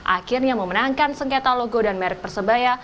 akhirnya memenangkan sengketa logo dan merek persebaya